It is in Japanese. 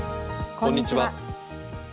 こんにちは。